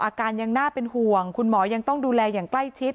อาการยังน่าเป็นห่วงคุณหมอยังต้องดูแลอย่างใกล้ชิด